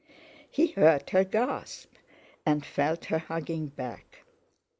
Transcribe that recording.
He heard her gasp, and felt her hugging back.